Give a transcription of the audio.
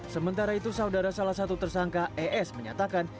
sementara itu saudara salah satu tersangka es menyatakan